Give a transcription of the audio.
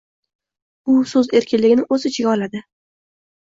Bu so'z erkinligini o'z ichiga oladi